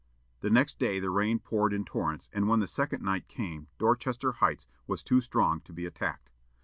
The next day the rain poured in torrents, and when the second night came Dorchester Heights were too strong to be attacked.